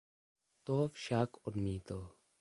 To však odmítl.